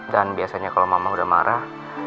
dan biasanya kalau mama udah marah